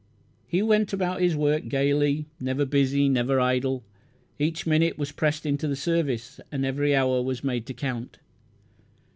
He went about his work gaily, never busy, never idle. Each minute was pressed into the service, and every hour was made to count.